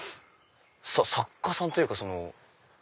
作家さんというかその。